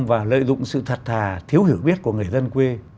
và lợi dụng sự thật thà thiếu hiểu biết của người dân quê